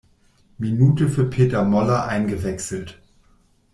Minute für Peter Møller eingewechselt.